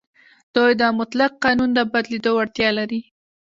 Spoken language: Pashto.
دوی د مطلق قانون د بدلېدو وړتیا لري.